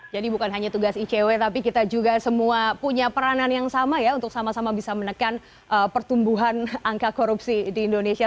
jadi bukan hanya tugas icw tapi kita juga semua punya peranan yang sama ya untuk sama sama bisa menekan pertumbuhan angka korupsi di indonesia